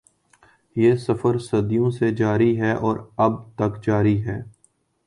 یہ سفر صدیوں سے جاری ہے اور ابد تک جاری رہے گا۔